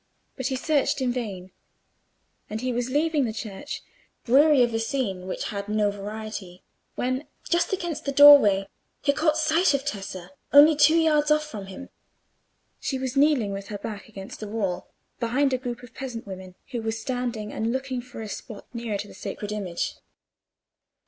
But he searched in vain; and he was leaving the church, weary of a scene which had no variety, when, just against the doorway, he caught sight of Tessa, only two yards off him. She was kneeling with her back against the wall, behind a group of peasant women, who were standing and looking for a spot nearer to the sacred image.